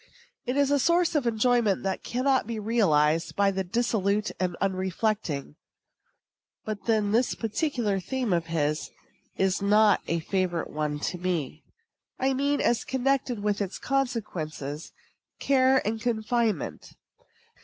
It is a source of enjoyment which cannot be realized by the dissolute and unreflecting. But then this particular theme of his is not a favorite one to me; I mean as connected with its consequences care and confinement.